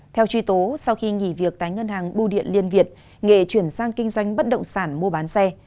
theo truy tố sau khi nghỉ việc tại ngân hàng bưu điện liên việt nghề chuyển sang kinh doanh bất động sản mua bán xe